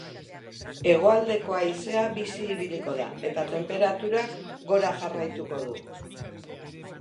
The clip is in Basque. Hegoaldeko haizea bizi ibiliko da eta tenperaturak gora jarraituko du.